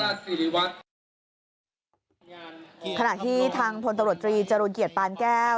ขณะที่ทางพลตำรวจตรีจรูลเกียรติปานแก้ว